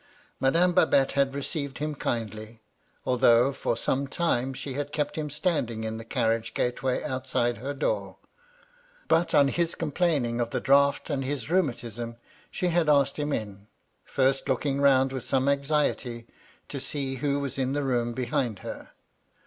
Madame Babette had received him kindly ; although, for some time, she had kept him standing in the carriage gate* way outside her door. But, on his complaining of the draught and his rheumatism, she had asked him in : first lookmg round with some anxiety, to see who was MY LADY LUDLOW. 141 in the room behind her.